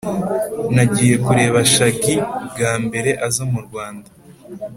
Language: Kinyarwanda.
Nagiye kureba shagi bwa mbere aza mu Rwanda